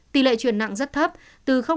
tỷ lệ chuyển nặng rất thấp từ hai đến một